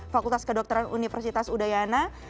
fakultas kedokteran universitas udayana